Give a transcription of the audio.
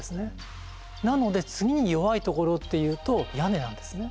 なので次に弱い所っていうと屋根なんですね。